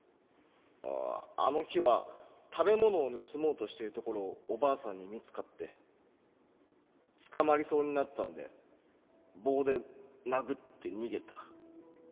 ああの日は食べ物を盗もうとしてるところをおばあさんに見つかって捕まりそうになったので棒で殴って逃げた。